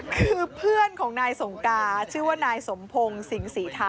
คือเพื่อนของนายสงกาชื่อว่านายสมพงศ์สิงศรีทา